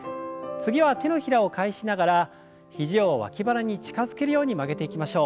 次は手のひらを返しながら肘を脇腹に近づけるように曲げていきましょう。